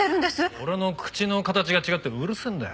俺の口の形が違うってうるせえんだよ。